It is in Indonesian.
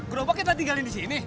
gerobak kita tinggalin di sini